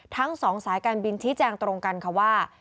ทั้ง๒สายการบินที่แจ้งตรงกันว่า